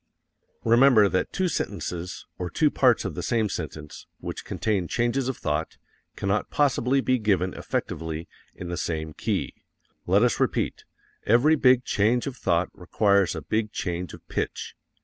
Remember that two sentences, or two parts of the same sentence, which contain changes of thought, cannot possibly be given effectively in the same key. Let us repeat, every big change of thought requires a big change of pitch.